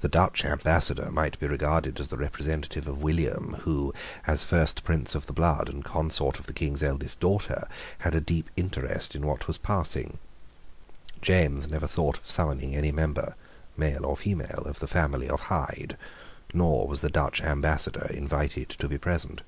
The Dutch Ambassador might be regarded as the representative of William, who, as first prince of the blood and consort of the King's eldest daughter, had a deep interest in what was passing. James never thought of summoning any member, male or female, of the family of Hyde; nor was the Dutch Ambassador invited to be present.